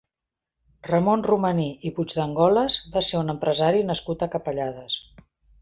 Ramon Romaní i Puigdengolas va ser un empresari nascut a Capellades.